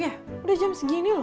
ya udah jam segini loh